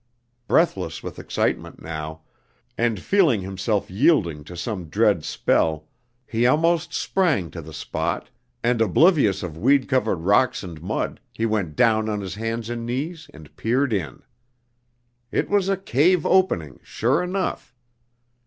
Breathless with excitement now, and feeling himself yielding to some dread spell, he almost sprang to the spot, and oblivious of weed covered rocks and mud, he went down on his hands and knees and peered in. It was a cave opening, sure enough!